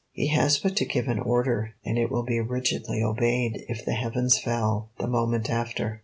He has but to give an order, and it will be rigidly obeyed if the heavens fell the moment after.